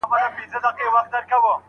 څېړونکی به نوي معلومات لاسته راوړي.